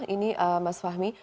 ini mas fahmi